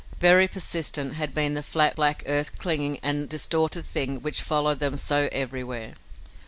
Very persistent had been the flat, black, earth clinging and distorted thing which followed them so everywhere.